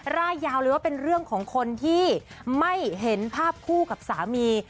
ร่ายยาวเลยว่าเป็นเรื่องของคนที่ไม่เห็นภาพคู่กับสามี